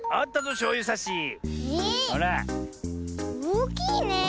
おおきいねえ。